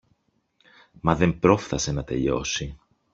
Μα δεν πρόφθασε να τελειώσει.